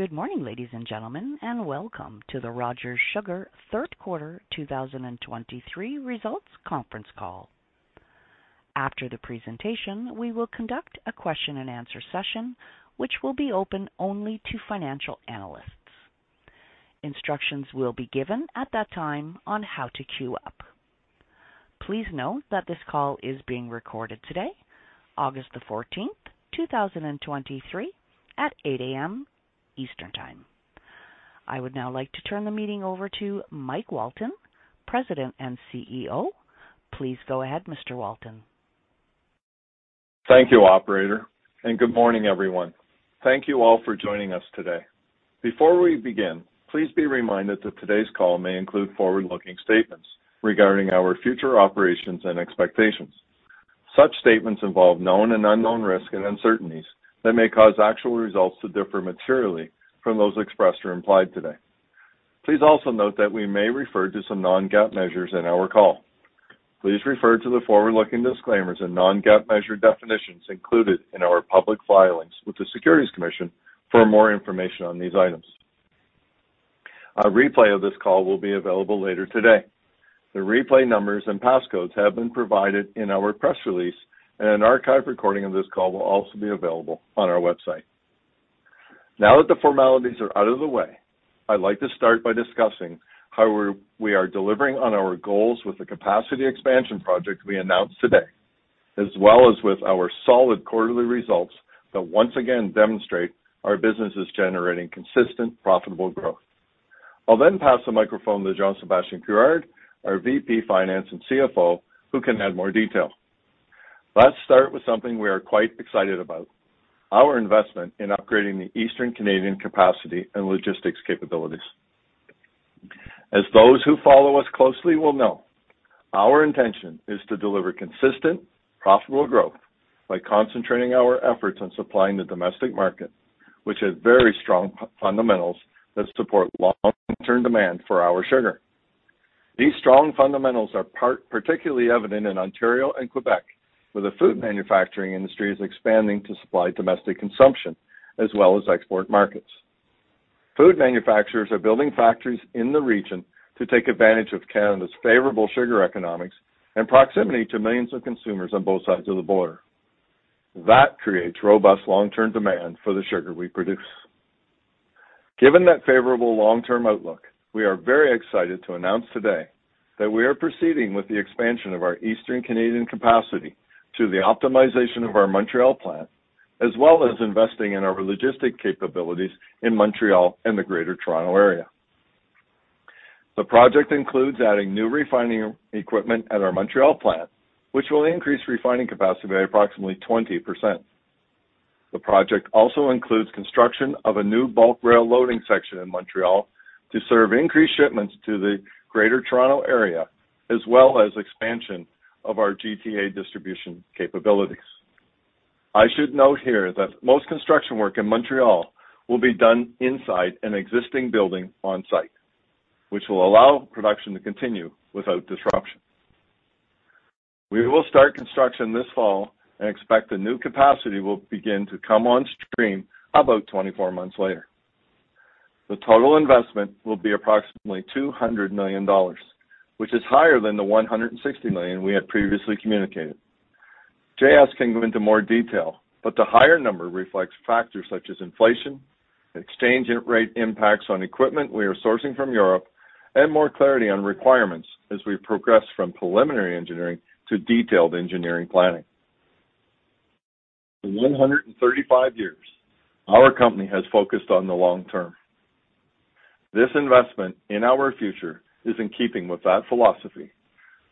Good morning, ladies and gentlemen, and welcome to the Rogers Sugar Third Quarter 2023 Results Conference Call. After the presentation, we will conduct a question and answer session, which will be open only to financial analysts. Instructions will be given at that time on how to queue up. Please note that this call is being recorded today, August 14, 2023, at 8:00 A.M. Eastern Time. I would now like to turn the meeting over to Mike Walton, President and CEO. Please go ahead, Mr. Walton. Thank you, operator. Good morning, everyone. Thank you all for joining us today. Before we begin, please be reminded that today's call may include forward-looking statements regarding our future operations and expectations. Such statements involve known and unknown risks and uncertainties that may cause actual results to differ materially from those expressed or implied today. Please also note that we may refer to some non-GAAP measures in our call. Please refer to the forward-looking disclaimers and non-GAAP measure definitions included in our public filings with the Securities Commission for more information on these items. A replay of this call will be available later today. The replay numbers and passcodes have been provided in our press release. An archive recording of this call will also be available on our website. Now that the formalities are out of the way, I'd like to start by discussing how we are delivering on our goals with the capacity expansion project we announced today, as well as with our solid quarterly results that once again demonstrate our business is generating consistent, profitable growth. I'll then pass the microphone to Jean-Sébastien Couillard, our VP, Finance and CFO, who can add more detail. Let's start with something we are quite excited about, our investment in upgrading the Eastern Canadian capacity and logistics capabilities. As those who follow us closely will know, our intention is to deliver consistent, profitable growth by concentrating our efforts on supplying the domestic market, which has very strong fundamentals that support long-term demand for our sugar. These strong fundamentals are part-- particularly evident in Ontario and Quebec, where the food manufacturing industry is expanding to supply domestic consumption as well as export markets. Food manufacturers are building factories in the region to take advantage of Canada's favorable sugar economics and proximity to millions of consumers on both sides of the border. That creates robust long-term demand for the sugar we produce. Given that favorable long-term outlook, we are very excited to announce today that we are proceeding with the expansion of our Eastern Canadian capacity to the optimization of our Montreal plant, as well as investing in our logistic capabilities in Montreal and the Greater Toronto Area. The project includes adding new refining equipment at our Montreal plant, which will increase refining capacity by approximately 20%. The project also includes construction of a new bulk rail loading section in Montreal to serve increased shipments to the Greater Toronto Area, as well as expansion of our GTA distribution capabilities. I should note here that most construction work in Montreal will be done inside an existing building on site, which will allow production to continue without disruption. We will start construction this fall and expect the new capacity will begin to come on stream about 24 months later. The total investment will be approximately 200 million dollars, which is higher than the 160 million we had previously communicated. J.S. can go into more detail, but the higher number reflects factors such as inflation, exchange rate impacts on equipment we are sourcing from Europe, and more clarity on requirements as we progress from preliminary engineering to detailed engineering planning. For 135 years, our company has focused on the long term. This investment in our future is in keeping with that philosophy,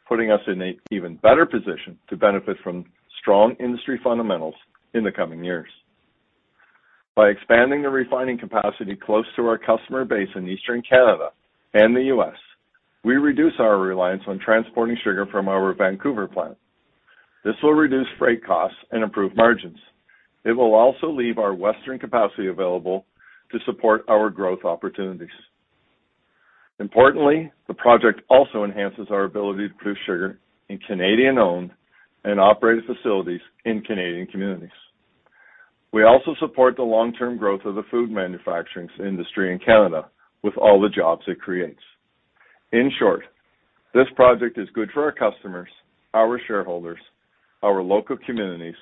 putting us in an even better position to benefit from strong industry fundamentals in the coming years. By expanding the refining capacity close to our customer base in Eastern Canada and the US, we reduce our reliance on transporting sugar from our Vancouver plant. This will reduce freight costs and improve margins. It will also leave our western capacity available to support our growth opportunities. Importantly, the project also enhances our ability to produce sugar in Canadian-owned and operated facilities in Canadian communities. We also support the long-term growth of the food manufacturing industry in Canada with all the jobs it creates. In short, this project is good for our customers, our shareholders, our local communities,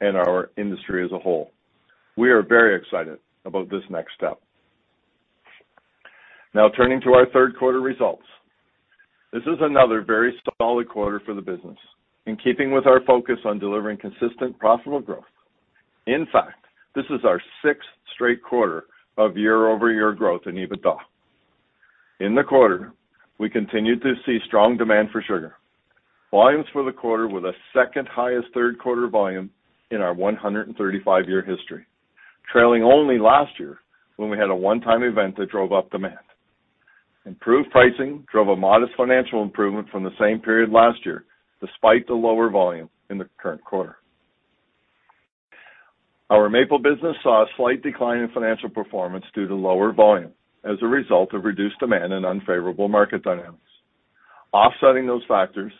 and our industry as a whole. We are very excited about this next step. Turning to our third quarter results. This is another very solid quarter for the business, in keeping with our focus on delivering consistent, profitable growth. In fact, this is our sixth straight quarter of year-over-year growth in EBITDA. In the quarter, we continued to see strong demand for sugar. Volumes for the quarter were the second highest third quarter volume in our 135-year history, trailing only last year, when we had a one-time event that drove up demand. Improved pricing drove a modest financial improvement from the same period last year, despite the lower volume in the current quarter. Our maple business saw a slight decline in financial performance due to lower volume as a result of reduced demand and unfavorable market dynamics. offsetting those factors,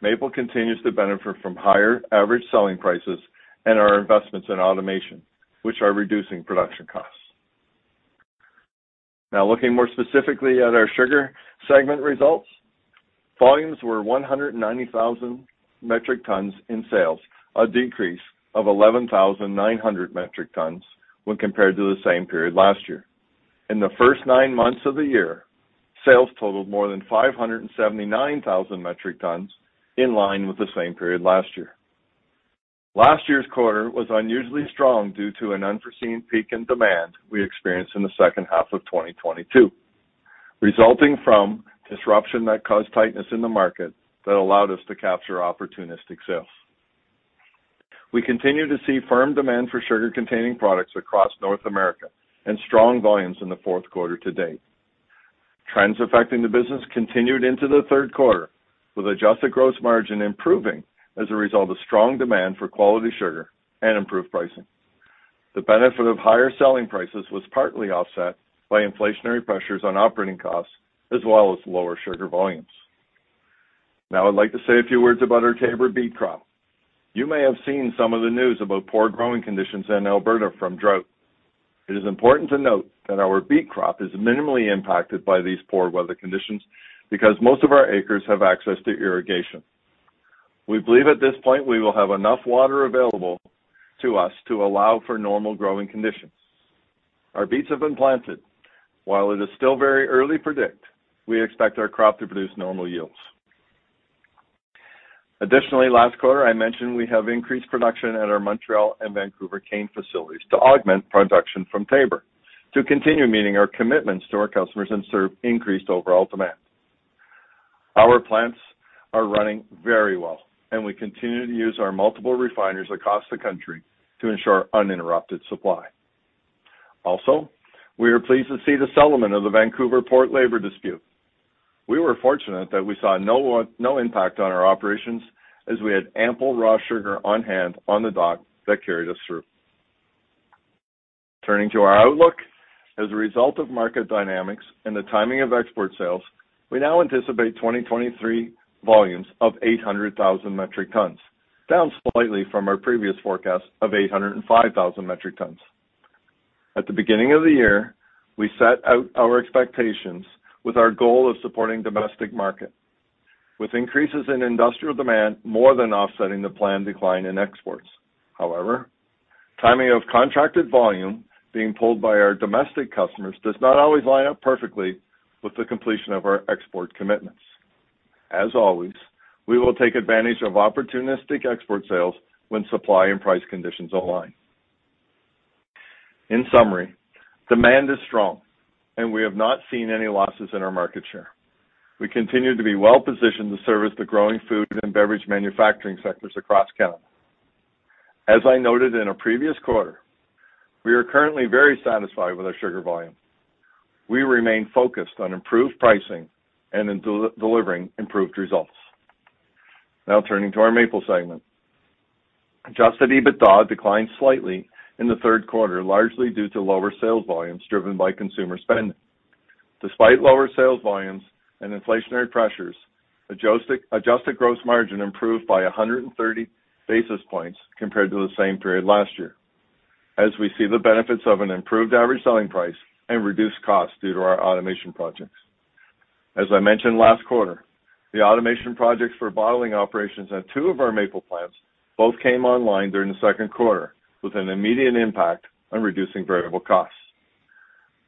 Maple continues to benefit from higher average selling prices and our investments in automation, which are reducing production costs. Now, looking more specifically at our sugar segment results, volumes were 190,000 metric tonnes in sales, a decrease of 11,900 metric tonnes when compared to the same period last year. In the first nine months of the year, sales totaled more than 579,000 metric tonnes, in line with the same period last year. Last year's quarter was unusually strong due to an unforeseen peak in demand we experienced in the second half of 2022, resulting from disruption that caused tightness in the market that allowed us to capture opportunistic sales. We continue to see firm demand for sugar-containing products across North America and strong volumes in the fourth quarter to date. Trends affecting the business continued into the 3rd quarter, with adjusted gross margin improving as a result of strong demand for quality sugar and improved pricing. The benefit of higher selling prices was partly offset by inflationary pressures on operating costs, as well as lower sugar volumes. I'd like to say a few words about our Taber beet crop. You may have seen some of the news about poor growing conditions in Alberta from drought. It is important to note that our beet crop is minimally impacted by these poor weather conditions, because most of our acres have access to irrigation. We believe at this point, we will have enough water available to us to allow for normal growing conditions. Our beets have been planted. While it is still very early predict, we expect our crop to produce normal yields. Additionally, last quarter, I mentioned we have increased production at our Montreal and Vancouver cane facilities to augment production from Taber, to continue meeting our commitments to our customers and serve increased overall demand. Our plants are running very well, and we continue to use our multiple refiners across the country to ensure uninterrupted supply. Also, we are pleased to see the settlement of the Vancouver Port labor dispute. We were fortunate that we saw no impact on our operations, as we had ample raw sugar on hand on the dock that carried us through. Turning to our outlook. As a result of market dynamics and the timing of export sales, we now anticipate 2023 volumes of 800,000 metric tonnes, down slightly from our previous forecast of 805,000 metric tonnes. At the beginning of the year, we set out our expectations with our goal of supporting domestic market, with increases in industrial demand more than offsetting the planned decline in exports. However, timing of contracted volume being pulled by our domestic customers does not always line up perfectly with the completion of our export commitments. As always, we will take advantage of opportunistic export sales when supply and price conditions align. In summary, demand is strong, and we have not seen any losses in our market share. We continue to be well-positioned to service the growing food and beverage manufacturing sectors across Canada. As I noted in a previous quarter, we are currently very satisfied with our sugar volume. We remain focused on improved pricing and delivering improved results. Now, turning to the Maple segment. Adjusted EBITDA declined slightly in the third quarter, largely due to lower sales volumes driven by consumer spending. Despite lower sales volumes and inflationary pressures, adjusted gross margin improved by 130 basis points compared to the same period last year, as we see the benefits of an improved average selling price and reduced costs due to our automation projects. As I mentioned last quarter, the automation projects for bottling operations at two of our Maple plants both came online during the second quarter, with an immediate impact on reducing variable costs.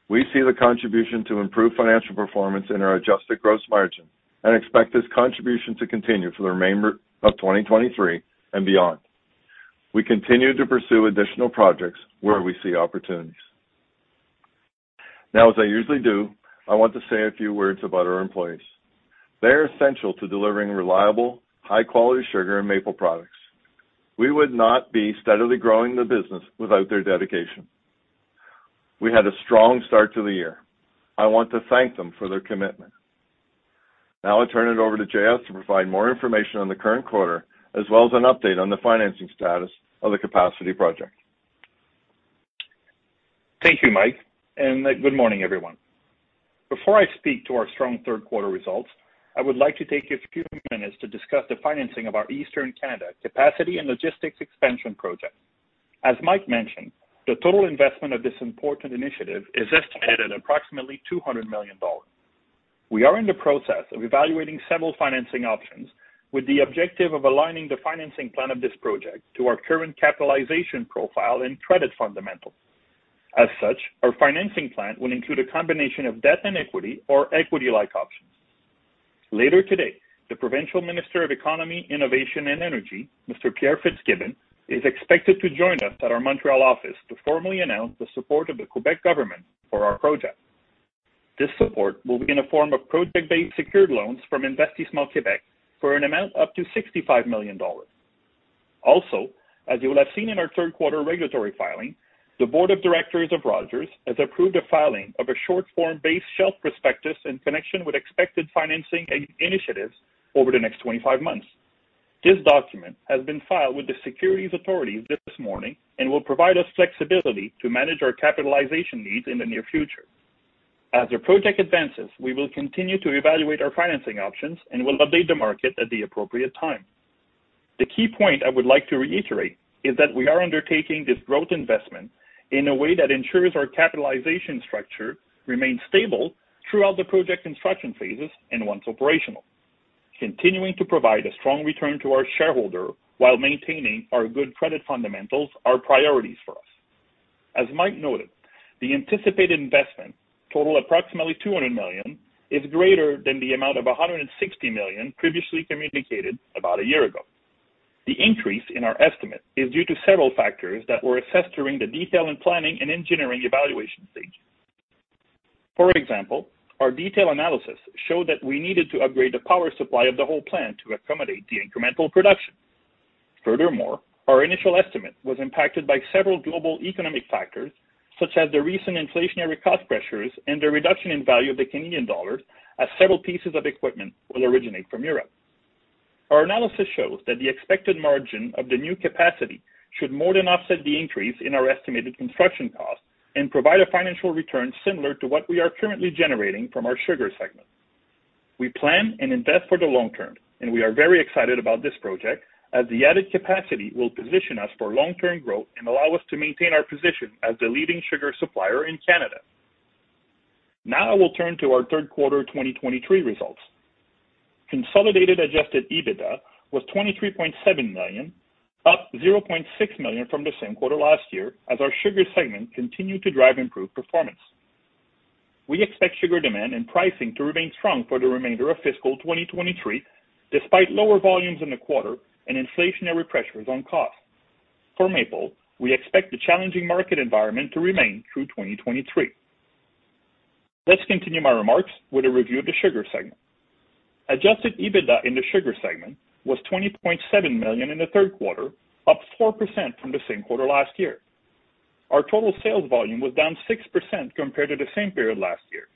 We see the contribution to improved financial performance in our adjusted gross margin and expect this contribution to continue for the remainder of 2023 and beyond. We continue to pursue additional projects where we see opportunities. As I usually do, I want to say a few words about our employees. They are essential to delivering reliable, high-quality sugar and maple products. We would not be steadily growing the business without their dedication. We had a strong start to the year. I want to thank them for their commitment. Now I turn it over to J.S. to provide more information on the current quarter, as well as an update on the financing status of the capacity project. Thank you, Mike. Good morning, everyone. Before I speak to our strong third quarter results, I would like to take a few minutes to discuss the financing of our Eastern Canada capacity and logistics expansion project. As Mike mentioned, the total investment of this important initiative is estimated at approximately 200 million dollars. We are in the process of evaluating several financing options, with the objective of aligning the financing plan of this project to our current capitalization profile and credit fundamentals. As such, our financing plan will include a combination of debt and equity or equity-like options. Later today, the Provincial Minister of Economy, Innovation and Energy, Mr. Pierre Fitzgibbon, is expected to join us at our Montreal office to formally announce the support of the Quebec government for our project. This support will be in the form of project-based secured loans from Investissement Québec, for an amount up to 65 million dollars. As you will have seen in our third quarter regulatory filing, the board of directors of Rogers has approved a filing of a short form base shelf prospectus in connection with expected financing and initiatives over the next 25 months. This document has been filed with the securities authorities this morning and will provide us flexibility to manage our capitalization needs in the near future. As the project advances, we will continue to evaluate our financing options and will update the market at the appropriate time. The key point I would like to reiterate is that we are undertaking this growth investment in a way that ensures our capitalization structure remains stable throughout the project construction phases and once operational. Continuing to provide a strong return to our shareholder while maintaining our good credit fundamentals are priorities for us. As Mike noted, the anticipated investment, total approximately $200 million, is greater than the amount of $160 million previously communicated about a year ago. The increase in our estimate is due to several factors that were assessed during the detailed planning and engineering evaluation stages. For example, our detailed analysis showed that we needed to upgrade the power supply of the whole plant to accommodate the incremental production. Furthermore, our initial estimate was impacted by several global economic factors, such as the recent inflationary cost pressures and the reduction in value of the Canadian dollar, as several pieces of equipment will originate from Europe. Our analysis shows that the expected margin of the new capacity should more than offset the increase in our estimated construction costs and provide a financial return similar to what we are currently generating from our sugar segment. We plan and invest for the long term, and we are very excited about this project as the added capacity will position us for long-term growth and allow us to maintain our position as the leading sugar supplier in Canada. Now I will turn to our third quarter 2023 results. Consolidated Adjusted EBITDA was 23.7 million, up 0.6 million from the same quarter last year, as our sugar segment continued to drive improved performance. We expect sugar demand and pricing to remain strong for the remainder of fiscal 2023, despite lower volumes in the quarter and inflationary pressures on cost. For maple, we expect the challenging market environment to remain through 2023. Let's continue my remarks with a review of the sugar segment. Adjusted EBITDA in the sugar segment was 20.7 million in the third quarter, up 4% from the same quarter last year. Our total sales volume was down 6% compared to the same period last year.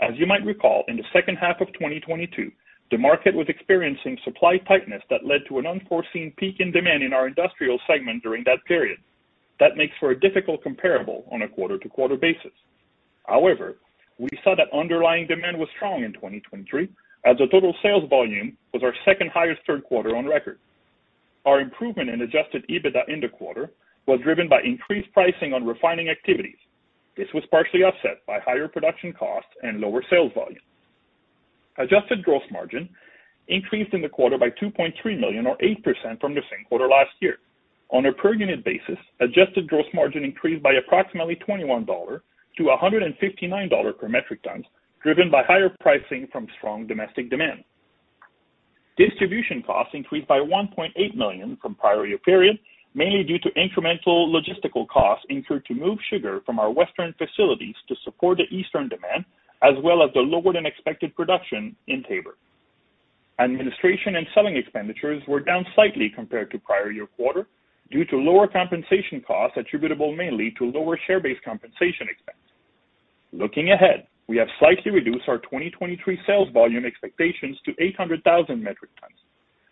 As you might recall, in the second half of 2022, the market was experiencing supply tightness that led to an unforeseen peak in demand in our industrial segment during that period. That makes for a difficult comparable on a quarter-to-quarter basis. However, we saw that underlying demand was strong in 2023, as the total sales volume was our second highest third quarter on record. Our improvement in Adjusted EBITDA in the quarter was driven by increased pricing on refining activities. This was partially offset by higher production costs and lower sales volume. Adjusted gross margin increased in the quarter by 2.3 million or 8% from the same quarter last year. On a per unit basis, adjusted gross margin increased by approximately 21 dollar to 159 dollar per metric tonne, driven by higher pricing from strong domestic demand. Distribution costs increased by 1.8 million from prior year period, mainly due to incremental logistical costs incurred to move sugar from our Western facilities to support the Eastern demand, as well as the lower than expected production in Taber. Administration and selling expenditures were down slightly compared to prior year quarter due to lower compensation costs attributable mainly to lower share-based compensation expense. Looking ahead, we have slightly reduced our 2023 sales volume expectations to 800,000 metric tonnes.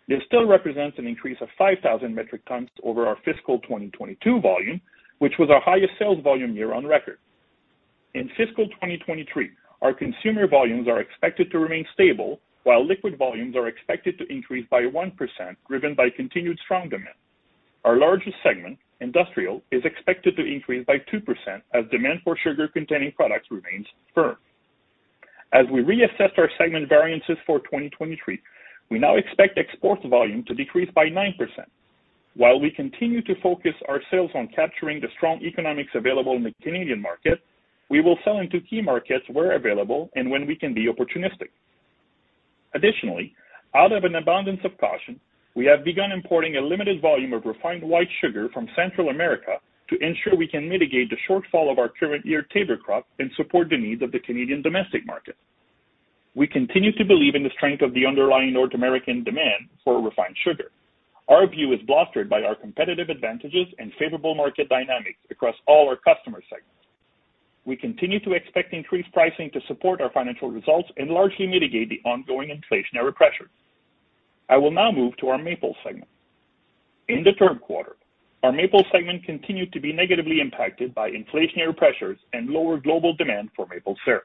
This still represents an increase of 5,000 metric tonnes over our fiscal 2022 volume, which was our highest sales volume year on record. In fiscal 2023, our consumer volumes are expected to remain stable, while liquid volumes are expected to increase by 1%, driven by continued strong demand. Our largest segment, industrial, is expected to increase by 2% as demand for sugar-containing products remains firm. As we reassess our segment variances for 2023, we now expect export volume to decrease by 9%. While we continue to focus our sales on capturing the strong economics available in the Canadian market, we will sell into key markets where available and when we can be opportunistic. Additionally, out of an abundance of caution, we have begun importing a limited volume of refined white sugar from Central America to ensure we can mitigate the shortfall of our current year Taber crop and support the needs of the Canadian domestic market. We continue to believe in the strength of the underlying North American demand for refined sugar. Our view is bolstered by our competitive advantages and favorable market dynamics across all our customer segments. We continue to expect increased pricing to support our financial results and largely mitigate the ongoing inflationary pressures. I will now move to our maple segment. In the third quarter, our maple segment continued to be negatively impacted by inflationary pressures and lower global demand for maple syrup.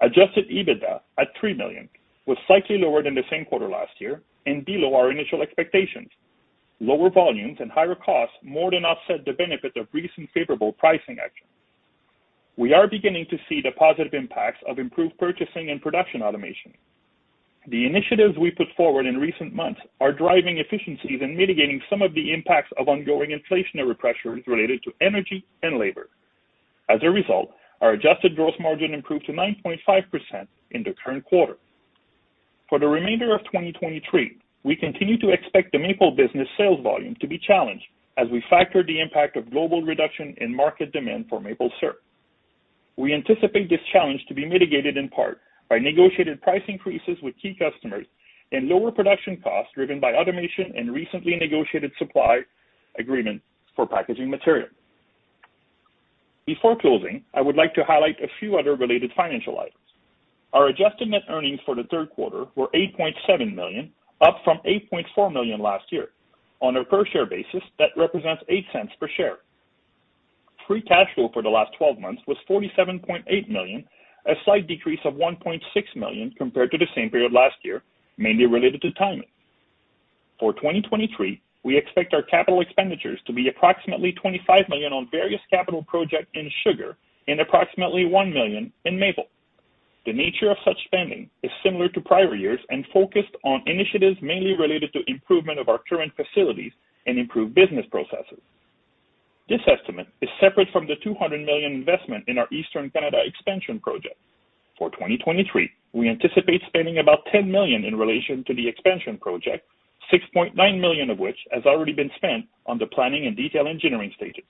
Adjusted EBITDA at 3 million was slightly lower than the same quarter last year and below our initial expectations. Lower volumes and higher costs more than offset the benefit of recent favorable pricing actions. We are beginning to see the positive impacts of improved purchasing and production automation. The initiatives we put forward in recent months are driving efficiencies and mitigating some of the impacts of ongoing inflationary pressures related to energy and labor. As a result, our adjusted gross margin improved to 9.5% in the current quarter. For the remainder of 2023, we continue to expect the maple business sales volume to be challenged as we factor the impact of global reduction in market demand for maple syrup. We anticipate this challenge to be mitigated in part by negotiated price increases with key customers and lower production costs driven by automation and recently negotiated supply agreements for packaging material. Before closing, I would like to highlight a few other related financial items. Our adjusted net earnings for the third quarter were 8.7 million, up from 8.4 million last year. On a per-share basis, that represents 0.08 per share. Free cash flow for the last 12 months was 47.8 million, a slight decrease of 1.6 million compared to the same period last year, mainly related to timing. For 2023, we expect our capital expenditures to be approximately 25 million on various capital projects in sugar and approximately 1 million in maple. The nature of such spending is similar to prior years and focused on initiatives mainly related to improvement of our current facilities and improved business processes. This estimate is separate from the 200 million investment in our Eastern Canada expansion project. For 2023, we anticipate spending about 10 million in relation to the expansion project, 6.9 million of which has already been spent on the planning and detailed engineering stages.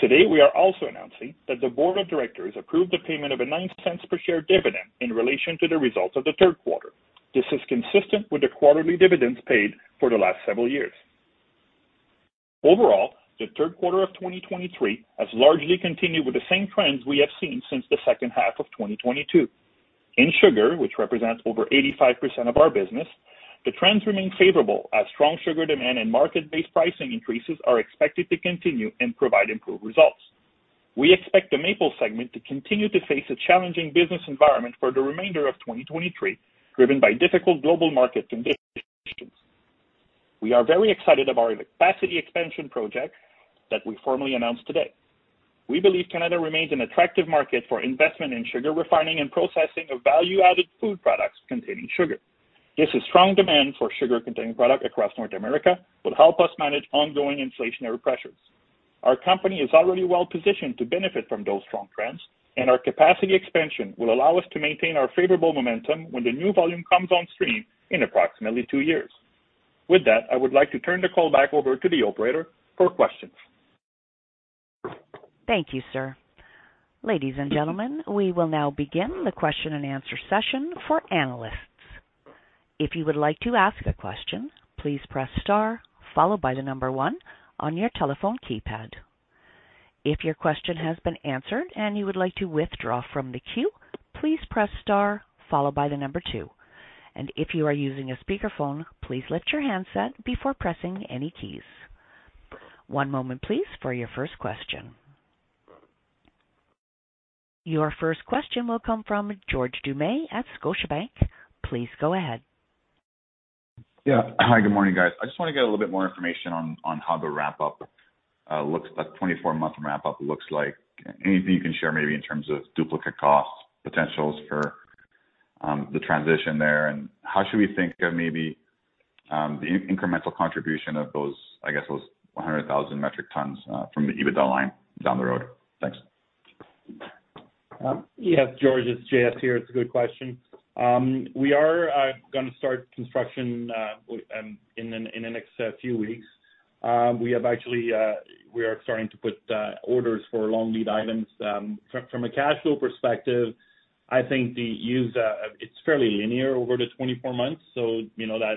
Today, we are also announcing that the board of directors approved the payment of a 0.09 per share dividend in relation to the results of the third quarter. This is consistent with the quarterly dividends paid for the last several years. Overall, the third quarter of 2023 has largely continued with the same trends we have seen since the second half of 2022. In sugar, which represents over 85% of our business, the trends remain favorable as strong sugar demand and market-based pricing increases are expected to continue and provide improved results. We expect the maple segment to continue to face a challenging business environment for the remainder of 2023, driven by difficult global market conditions. We are very excited about our capacity expansion project that we formally announced today. We believe Canada remains an attractive market for investment in sugar refining and processing of value-added food products containing sugar. This is strong demand for sugar-containing products across North America will help us manage ongoing inflationary pressures. Our company is already well positioned to benefit from those strong trends, and our capacity expansion will allow us to maintain our favorable momentum when the new volume comes on stream in approximately two years. With that, I would like to turn the call back over to the operator for questions. Thank you, sir. Ladies and gentlemen, we will now begin the question and answer session for analysts. If you would like to ask a question, please press star followed by number one on your telephone keypad. If your question has been answered and you would like to withdraw from the queue, please press star followed by number two. If you are using a speakerphone, please lift your handset before pressing any keys. One moment, please, for your first question. Your first question will come from George Doumet at Scotiabank. Please go ahead. Yeah. Hi, good morning, guys. I just want to get a little bit more information on, on how the ramp-up looks like, 24-month ramp-up looks like. Anything you can share maybe in terms of duplicate costs, potentials for the transition there, and how should we think of maybe the in-incremental contribution of those, I guess, those 100,000 metric tonnes from the EBITDA line down the road? Thanks. Yes, George, it's J.S. here. It's a good question. We are gonna start construction in the next few weeks. We have actually, we are starting to put orders for long lead items. From a cash flow perspective, I think the use, it's fairly linear over the 24 months. You know, that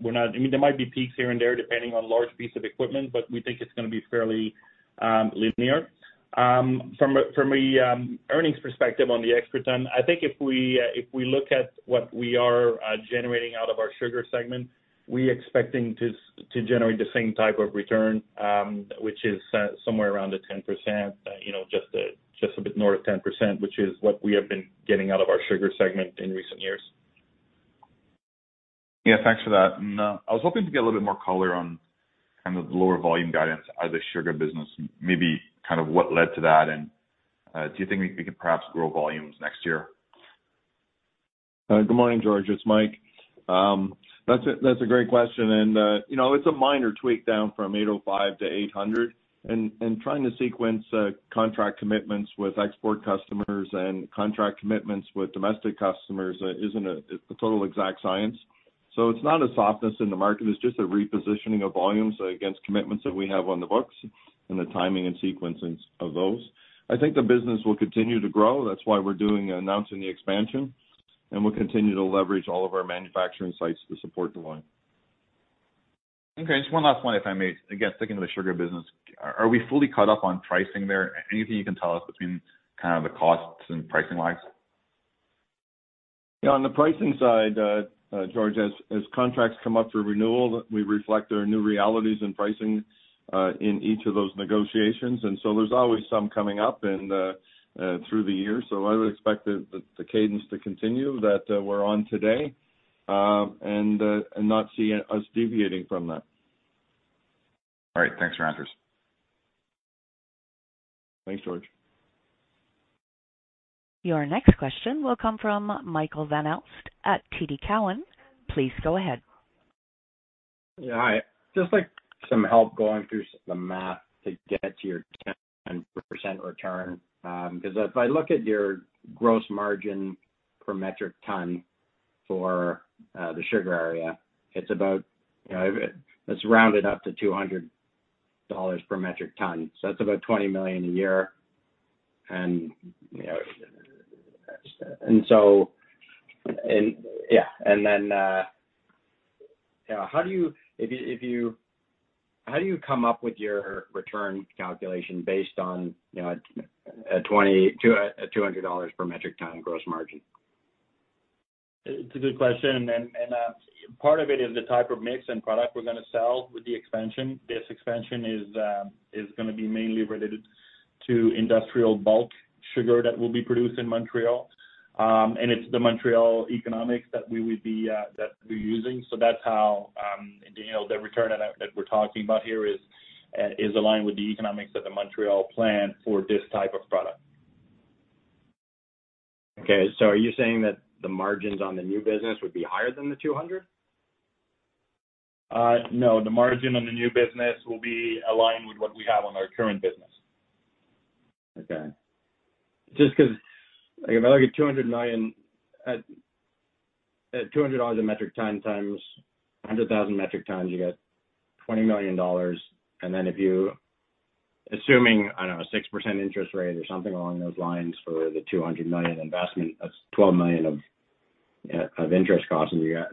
we're not, I mean, there might be peaks here and there, depending on large pieces of equipment, but we think it's gonna be fairly linear. From a, from a earnings perspective on the export ton, I think if we look at what we are generating out of our sugar segment, we expecting to generate the same type of return, which is somewhere around the 10%, you know, just a, just a bit north of 10%, which is what we have been getting out of our sugar segment in recent years. Yeah, thanks for that. I was hoping to get a little bit more color on kind of the lower volume guidance as a sugar business, maybe kind of what led to that, and do you think we, we could perhaps grow volumes next year? Good morning, George, it's Mike. That's a, that's a great question. You know, it's a minor tweak down from 805 to 800. Trying to sequence contract commitments with export customers and contract commitments with domestic customers isn't a, a total exact science. It's not a softness in the market, it's just a repositioning of volumes against commitments that we have on the books and the timing and sequencing of those. I think the business will continue to grow. That's why we're doing announcing the expansion, we'll continue to leverage all of our manufacturing sites to support the line. Okay, just one last one, if I may. Again, sticking to the sugar business, are we fully caught up on pricing there? Anything you can tell us between kind of the costs and pricing-wise? Yeah, on the pricing side, George, as, as contracts come up for renewal, we reflect their new realities in pricing, in each of those negotiations. There's always some coming up and, through the year. I would expect the, the, the cadence to continue that, we're on today, and, and not see us deviating from that. All right. Thanks for your answers. Thanks, George. Your next question will come from Michael van Aelst at TD Cowen. Please go ahead. Yeah, hi. Just like some help going through the math to get to your 10% return. Because if I look at your gross margin per metric ton for the sugar area, it's about, you know, it's rounded up to 200 dollars per metric ton. That's about 20 million a year. You know. So, and yeah, and then. How do you, if you, if you, how do you come up with your return calculation based on, you know, a 200 dollars per metric ton gross margin? It's a good question, and, and, part of it is the type of mix and product we're gonna sell with the expansion. This expansion is, is gonna be mainly related to industrial bulk sugar that will be produced in Montreal. It's the Montreal economics that we would be, that we're using. That's how, you know, the return that, that we're talking about here is, is aligned with the economics of the Montreal plant for this type of product. Okay. Are you saying that the margins on the new business would be higher than the 200? No, the margin on the new business will be aligned with what we have on our current business. Okay. Just 'cause, like, if I look at 200 million at 200 dollars a metric tonne, times 100,000 metric tonnes, you get 20 million dollars. Then if you, assuming, I don't know, a 6% interest rate or something along those lines for the 200 million investment, that's 12 million of interest costs, and you got...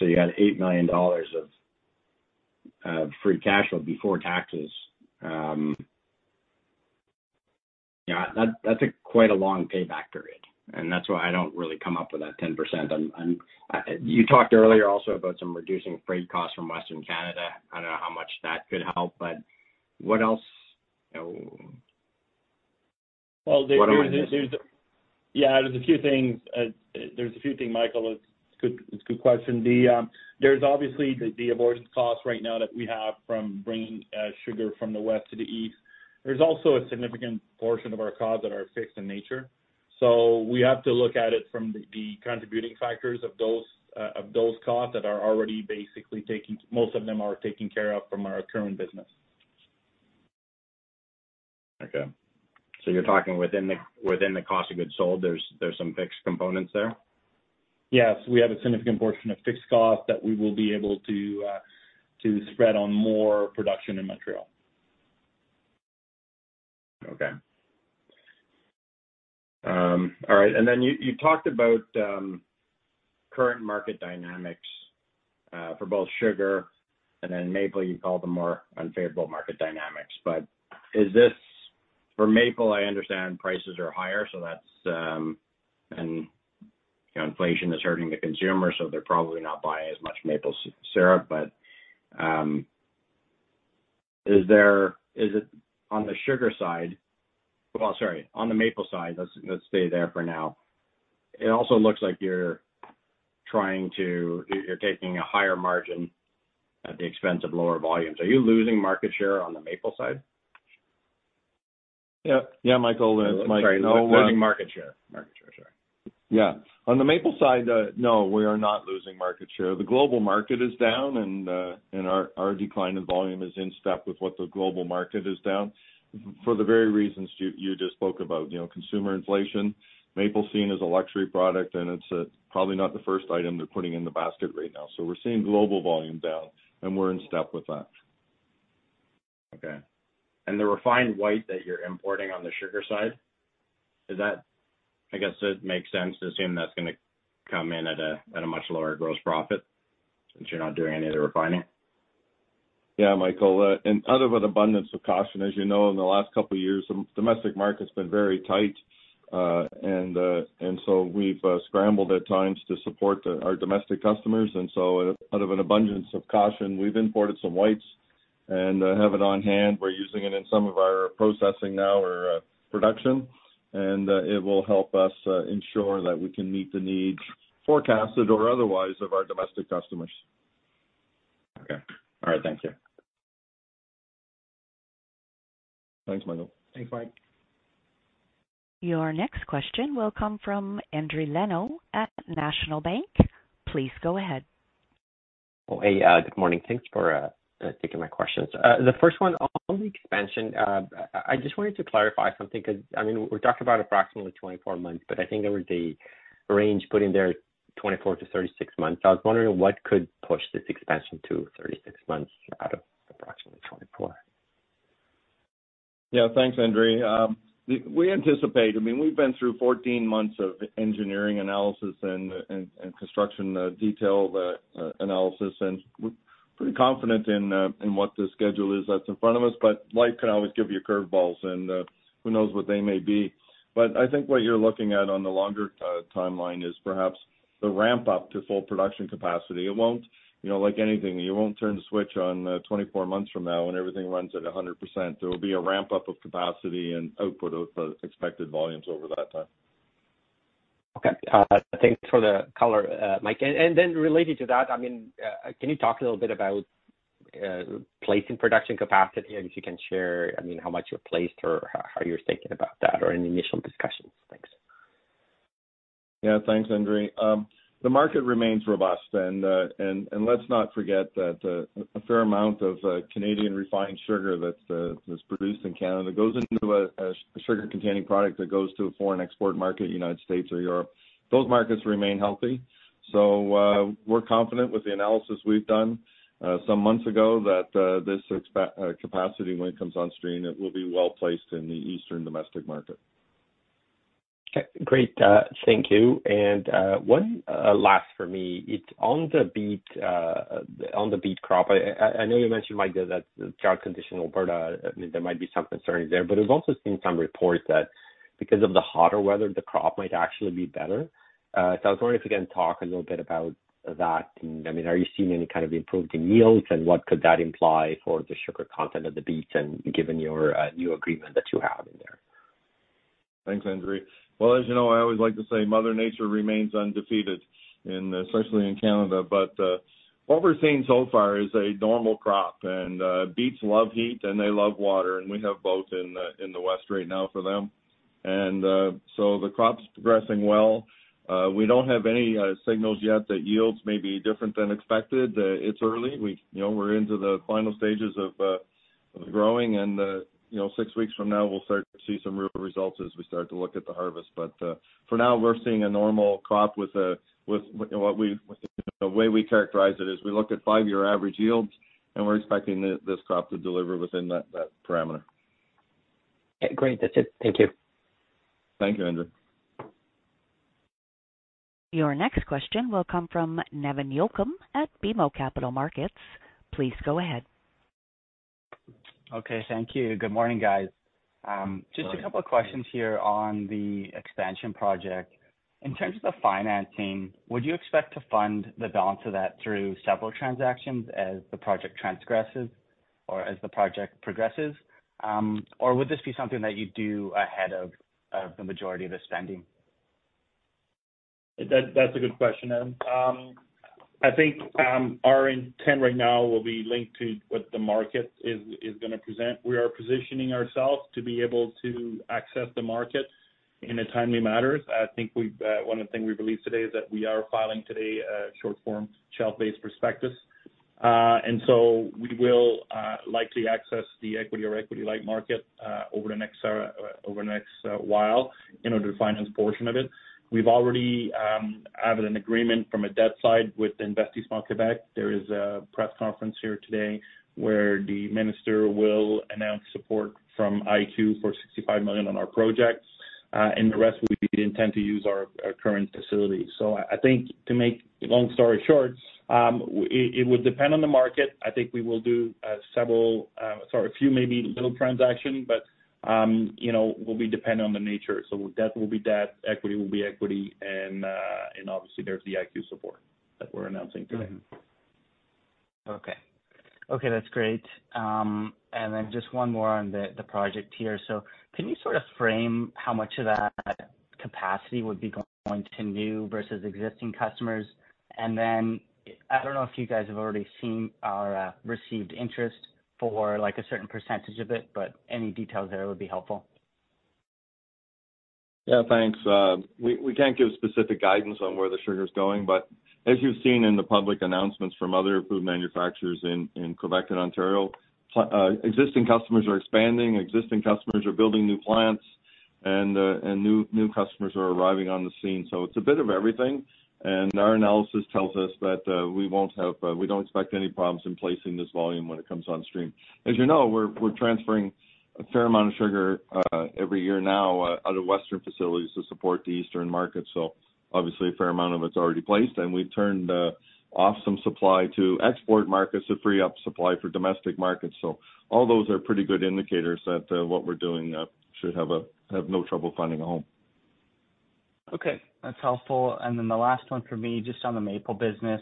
You had 8 million dollars of free cash flow before taxes. Yeah, that, that's a quite a long payback period, and that's why I don't really come up with that 10%. You talked earlier also about some reducing freight costs from Western Canada. I don't know how much that could help, but what else? You know, what am I missing? Well, there, there's, there's yeah, there's a few things. There's a few things, Michael. It's good, it's a good question. The, there's obviously the, the absorption costs right now that we have from bringing sugar from the west to the east. There's also a significant portion of our costs that are fixed in nature. We have to look at it from the, the contributing factors of those of those costs that are already basically taking, most of them are taken care of from our current business. Okay. You're talking within the, within the cost of goods sold, there's, there's some fixed components there? Yes, we have a significant portion of fixed costs that we will be able to to spread on more production in Montreal. All right, then you, you talked about current market dynamics for both sugar and then maple, you called them more unfavorable market dynamics. Is this, for maple, I understand prices are higher, so that's, and, you know, inflation is hurting the consumer, so they're probably not buying as much maple syrup. Is there, is it on the sugar side... Well, sorry, on the maple side, let's, let's stay there for now. It also looks like you're trying to, you're taking a higher margin at the expense of lower volumes. Are you losing market share on the maple side? Yeah. Yeah, Michael, it's Mike- Sorry, losing market share. Market share, sorry. Yeah. On the maple side, no, we are not losing market share. The global market is down. Our, our decline in volume is in step with what the global market is down for the very reasons you, you just spoke about, you know, consumer inflation. Maple is seen as a luxury product, and it's probably not the first item they're putting in the basket right now. We're seeing global volume down, and we're in step with that. Okay. The refined white that you're importing on the sugar side, is that, I guess it makes sense to assume that's gonna come in at a, at a much lower gross profit since you're not doing any of the refining? Yeah, Michael, and out of an abundance of caution, as you know, in the last couple of years, the domestic market's been very tight. So we've scrambled at times to support the, our domestic customers, and so out of an abundance of caution, we've imported some whites and have it on hand. We're using it in some of our processing now or production, and it will help us ensure that we can meet the needs forecasted or otherwise, of our domestic customers. Okay. All right, thank you. Thanks, Michael. Thanks, Mike. Your next question will come from Endri Leno at National Bank. Please go ahead. Hey, good morning. Thanks for taking my questions. The first one on the expansion, I just wanted to clarify something, 'cause I mean, we're talking about approximately 24 months, but I think there was a range put in there, 24-36 months. I was wondering what could push this expansion to 36 months out of approximately 24? Yeah, thanks, Endri. we, we anticipate, I mean, we've been through 14 months of engineering analysis and, and, and construction, detail, analysis, and we're pretty confident in, in what the schedule is that's in front of us. Life can always give you curve balls, and, who knows what they may be. I think what you're looking at on the longer, timeline is perhaps the ramp-up to full production capacity. It won't, you know, like anything, you won't turn the switch on, 24 months from now, and everything runs at 100%. There will be a ramp-up of capacity and output of the expected volumes over that time. Okay, thanks for the color, Mike. and then related to that, I mean, can you talk a little bit about placing production capacity, and if you can share, I mean, how much you placed or how, how you're thinking about that or any initial discussions? Thanks. Yeah, thanks, Endri. The market remains robust, and, and let's not forget that a fair amount of Canadian refined sugar that's is produced in Canada goes into a a sugar-containing product that goes to a foreign export market, United States or Europe. Those markets remain healthy. We're confident with the analysis we've done, some months ago, that this capacity, when it comes on stream, it will be well-placed in the eastern domestic market. Great, thank you. One last for me, it's on the beet on the beet crop. I, I, I know you mentioned, Mike, that the dry condition in Alberta, I mean, there might be some concerns there, but we've also seen some reports that because of the hotter weather, the crop might actually be better. I was wondering if you can talk a little bit about that. I mean, are you seeing any kind of improvement in yields, and what could that imply for the sugar content of the beets and given your new agreement that you have in there? Thanks, Endri. Well, as you know, I always like to say Mother Nature remains undefeated, and especially in Canada. What we're seeing so far is a normal crop, and beets love heat, and they love water, and we have both in the, in the west right now for them. So the crop's progressing well. We don't have any signals yet that yields may be different than expected. It's early. We, you know, we're into the final stages of growing and, you know, six weeks from now, we'll start to see some real results as we start to look at the harvest. For now, we're seeing a normal crop with what we, the way we characterize it is we look at five-year average yields, and we're expecting this crop to deliver within that, that parameter. Great. That's it. Thank you. Thank you, Endri. Your next question will come from Nevan Yochim at BMO Capital Markets. Please go ahead. Okay. Thank you. Good morning, guys. Good morning. Just a couple of questions here on the expansion project. In terms of the financing, would you expect to fund the balance of that through several transactions as the project transgresses or as the project progresses, or would this be something that you'd do ahead of, of the majority of the spending? That, that's a good question, Nevan. I think our intent right now will be linked to what the market is, is gonna present. We are positioning ourselves to be able to access the market in a timely manner. I think we've, one of the things we've released today is that we are filing today a short form base shelf prospectus. We will likely access the equity or equity-like market over the next, over the next, while in order to finance portion of it. We've already added an agreement from a debt side with Investissement Québec. There is a press conference here today, where the minister will announce support from IQ for 65 million on our projects, and the rest we intend to use our, our current facilities. I think to make a long story short, it, it would depend on the market. I think we will do several, sorry, a few, maybe little transaction, but, you know, will be dependent on the nature. Debt will be debt, equity will be equity, and obviously, there's the IQ support that we're announcing today. Okay. Okay, that's great. Just one more on the project here. Can you sort of frame how much of that capacity would be going to new versus existing customers? I don't know if you guys have already seen or received interest for, like, a certain percentage of it, but any details there would be helpful. Yeah, thanks. We, we can't give specific guidance on where the sugar is going, but as you've seen in the public announcements from other food manufacturers in, in Quebec and Ontario, existing customers are expanding, existing customers are building new plants, and new, new customers are arriving on the scene. It's a bit of everything. Our analysis tells us that, we won't have, we don't expect any problems in placing this volume when it comes on stream. As you know, we're, we're transferring a fair amount of sugar, every year now, out of Western facilities to support the Eastern market. Obviously, a fair amount of it's already placed, and we've turned off some supply to export markets to free up supply for domestic markets. All those are pretty good indicators that, what we're doing, should have no trouble finding a home. Okay, that's helpful. The last one for me, just on the maple business.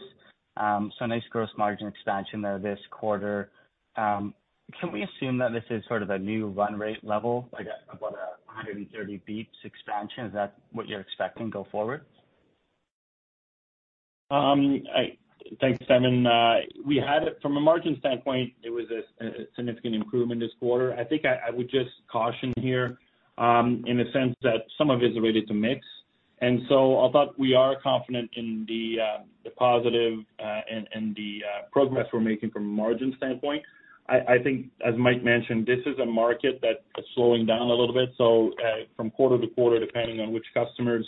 Nice gross margin expansion there this quarter. Can we assume that this is sort of a new run rate level, like, about 130 BPS expansion? Is that what you're expecting go forward? Thanks, Nevan. We had it from a margin standpoint, it was a significant improvement this quarter. I think I would just caution here, in the sense that some of it is related to mix. Although we are confident in the positive and the progress we're making from a margin standpoint, I think, as Mike mentioned, this is a market that is slowing down a little bit. From quarter to quarter, depending on which customers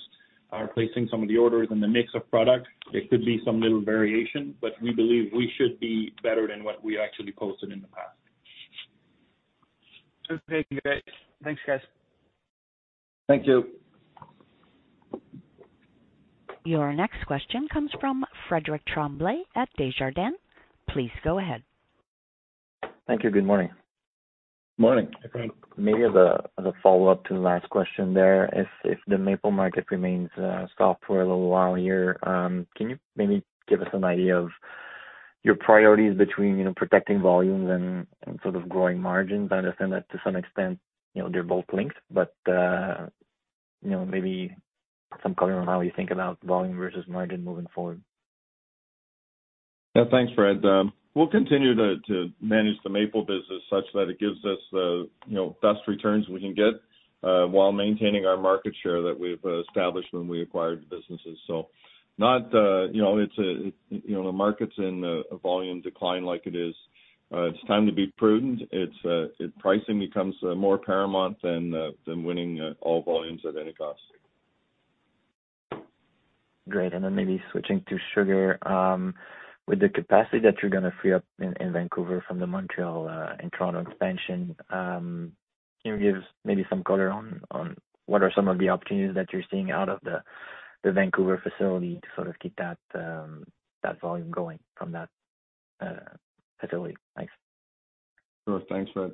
are placing some of the orders and the mix of product, there could be some little variation, but we believe we should be better than what we actually posted in the past. Okay, great. Thanks, guys. Thank you. Your next question comes from Frédéric Tremblay at Desjardins. Please go ahead. Thank you. Good morning. Morning, Frédéric. Maybe as a, as a follow-up to the last question there, if, if the maple market remains soft for a little while here, can you maybe give us an idea of your priorities between, you know, protecting volumes and, and sort of growing margins? I understand that to some extent, you know, they're both linked, but, you know, maybe some color on how you think about volume versus margin moving forward. Yeah, thanks, Fred. We'll continue to, to manage the maple business such that it gives us the, you know, best returns we can get, while maintaining our market share that we've established when we acquired the businesses. Not, you know, it's a, you know, the market's in a, a volume decline like it is. It's time to be prudent. It's pricing becomes more paramount than than winning all volumes at any cost. Great. Then maybe switching to sugar. With the capacity that you're gonna free up in, in Vancouver from the Montreal, and Toronto expansion, can you give maybe some color on, on what are some of the opportunities that you're seeing out of the, the Vancouver facility to sort of keep that, that volume going from that, facility? Thanks. Sure. Thanks, Fred.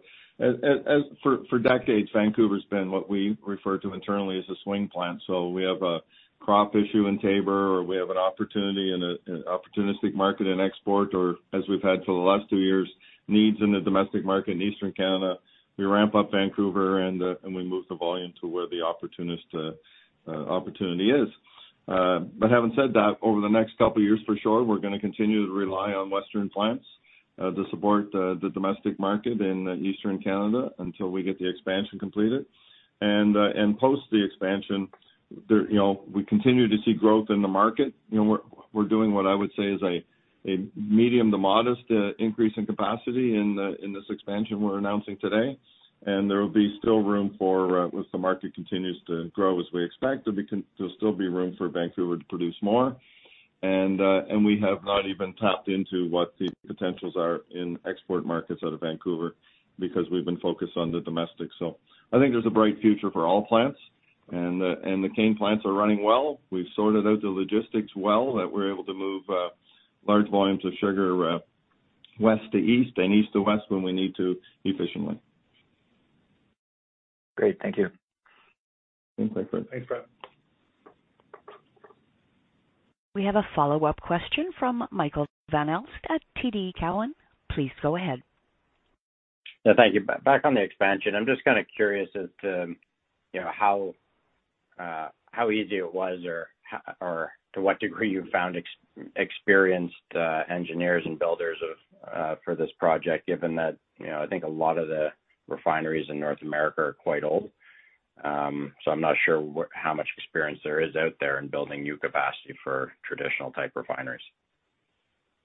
For decades, Vancouver's been what we refer to internally as a swing plant. We have a crop issue in Taber, or we have an opportunity in an opportunistic market in export, or as we've had for the last two years, needs in the domestic market in Eastern Canada, we ramp up Vancouver, and we move the volume to where the opportunist opportunity is. Having said that, over the next couple of years, for sure, we're gonna continue to rely on Western plants to support the domestic market in Eastern Canada until we get the expansion completed. Post the expansion, there, you know, we continue to see growth in the market. You know, we're, we're doing what I would say is a, a medium to modest increase in capacity in this expansion we're announcing today. There will be still room for, with the market continues to grow as we expect, there'll still be room for Vancouver to produce more. We have not even tapped into what the potentials are in export markets out of Vancouver because we've been focused on the domestic. I think there's a bright future for all plants, and the, and the cane plants are running well. We've sorted out the logistics well, that we're able to move large volumes of sugar west to east and east to west when we need to efficiently. Great. Thank you. Thanks, Fred. We have a follow-up question from Michael van Aelst at TD Cowen. Please go ahead. Yeah, thank you. Back on the expansion, I'm just kind of curious as to, you know, how easy it was or how, or to what degree you found experienced engineers and builders of for this project, given that, you know, I think a lot of the refineries in North America are quite old. I'm not sure what, how much experience there is out there in building new capacity for traditional-type refineries.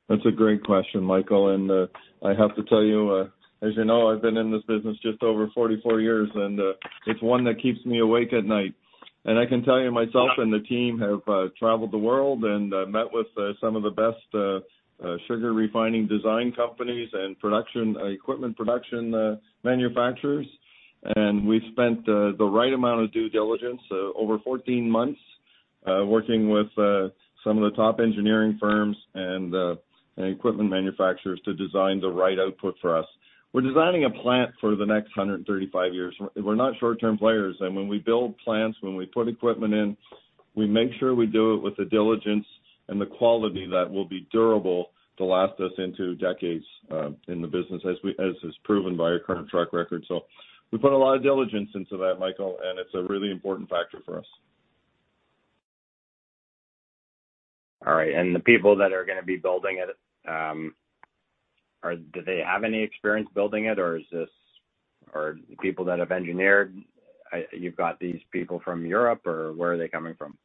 That's a great question, Michael. I have to tell you, as you know, I've been in this business just over 44 years, and it's one that keeps me awake at night. I can tell you, myself and the team have traveled the world and met with some of the best sugar refining design companies and production equipment production manufacturers. We spent the right amount of due diligence over 14 months working with some of the top engineering firms and equipment manufacturers to design the right output for us. We're designing a plant for the next 135 years. We're not short-term players, and when we build plants, when we put equipment in, we make sure we do it with the diligence and the quality that will be durable to last us into decades in the business as we, as is proven by our current track record. We put a lot of diligence into that, Michael, and it's a really important factor for us. All right. The people that are gonna be building it, do they have any experience building it, or is this, or the people that have engineered, I, you've got these people from Europe, or where are they coming from?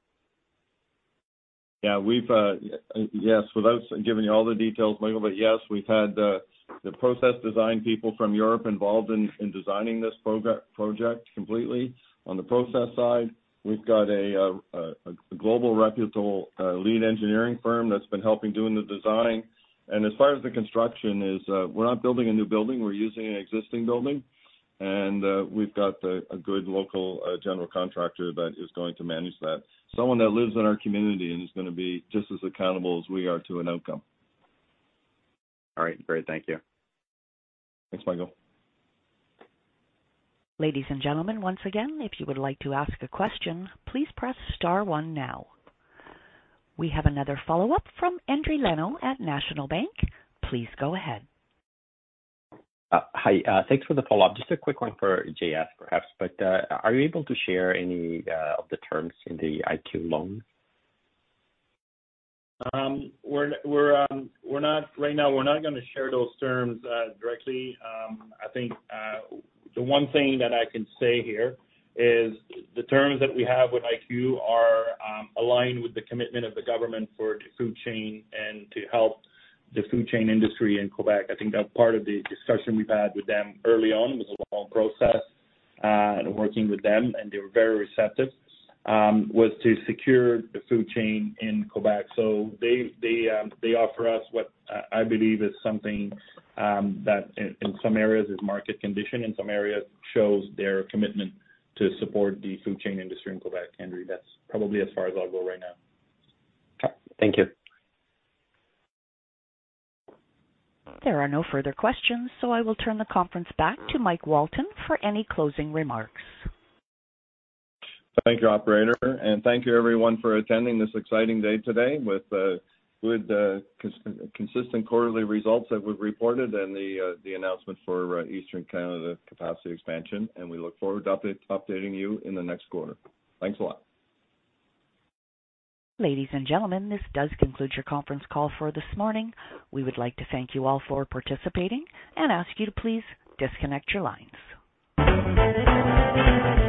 Yeah, we've, yes, without giving you all the details, Michael, but yes, we've had the process design people from Europe involved in designing this project completely. On the process side, we've got a global reputable lead engineering firm that's been helping doing the design. As far as the construction is, we're not building a new building, we're using an existing building, and we've got a good local general contractor that is going to manage that. Someone that lives in our community and is gonna be just as accountable as we are to an outcome. All right, great. Thank you. Thanks, Michael. Ladies and gentlemen, once again, if you would like to ask a question, please press star 1 now. We have another follow-up from Endri Leno at National Bank. Please go ahead. Hi, thanks for the follow-up. Just a quick one for J.S., perhaps, but are you able to share any of the terms in the IQ loan? We're not right now, we're not gonna share those terms directly. I think the one thing that I can say here is the terms that we have with IQ are aligned with the commitment of the government for the food chain and to help the food chain industry in Quebec. I think that part of the discussion we've had with them early on, was a long process, and working with them, and they were very receptive, was to secure the food chain in Quebec. They offer us what I believe is something that in some areas is market condition, in some areas shows their commitment to support the food chain industry in Quebec, Endri. That's probably as far as I'll go right now. Okay. Thank you. There are no further questions. I will turn the conference back to Mike Walton for any closing remarks. Thank you, operator, and thank you everyone for attending this exciting day today with consistent quarterly results that we've reported and the announcement for Eastern Canada capacity expansion, and we look forward to updating you in the next quarter. Thanks a lot. Ladies and gentlemen, this does conclude your conference call for this morning. We would like to thank you all for participating and ask you to please disconnect your lines.